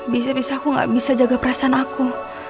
bisa bisa aku gak bisa jaga perasaan aku